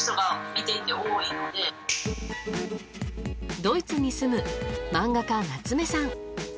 ドイツに住む漫画家・夏目さん。